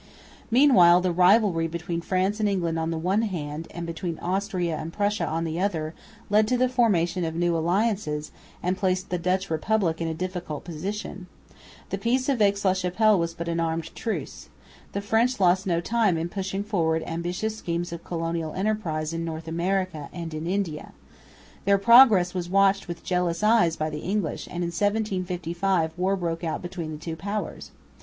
Meanwhile the rivalry between France and England on the one hand, and between Austria and Prussia on the other, led to the formation of new alliances, and placed the Dutch Republic in a difficult position. The peace of Aix la Chapelle was but an armed truce. The French lost no time in pushing forward ambitious schemes of colonial enterprise in North America and in India. Their progress was watched with jealous eyes by the English; and in 1755 war broke out between the two powers.